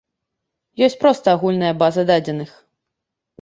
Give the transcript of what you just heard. Ёсць проста агульная база дадзеных.